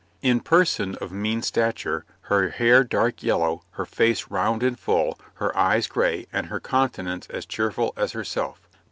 In person of mean stature, her hair dark yellow, her face round and full, her eyes gray, and her countenance as cheerful as herself.